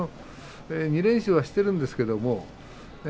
２連勝はしているんですけどね。